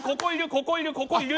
ここいるここいる！